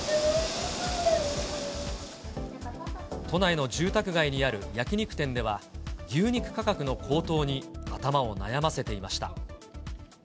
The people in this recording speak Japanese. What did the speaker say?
都内の住宅街にある焼き肉店では、牛肉価格の高騰に頭を悩ませていました。